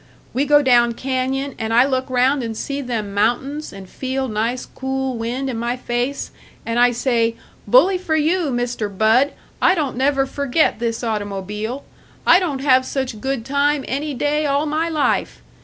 We go down canyon, and I look round and see them mountains, and feel nice cool wind in my face, and I say, 'Bully for you, Mister Bud, I don't never forget this automobile. I don't have such good time any day all my life.'